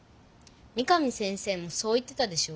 三上先生もそう言ってたでしょ。